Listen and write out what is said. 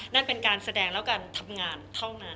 นั่นเป็นการแสดงแล้วการทำงานเท่านั้น